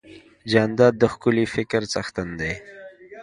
جانداد د ښکلي فکر څښتن دی.